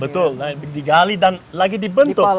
betul digali dan lagi dibentuk